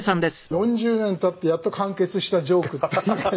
「４０年経ってやっと完結したジョークっていうか」